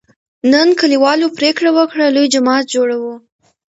نن کلیوالو پرېکړه وکړه: لوی جومات جوړوو.